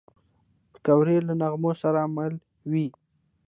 پکورې له نغمو سره مل وي